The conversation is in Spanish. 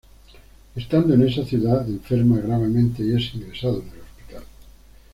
Estando en esa ciudad enferma gravemente y es ingresado en el hospital.